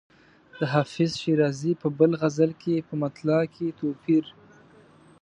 د حافظ شیرازي په بل غزل کې په مطلع کې توپیر.